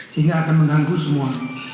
sehingga akan mengganggu semua